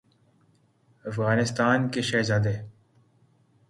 افغانستان کےشہزاد ے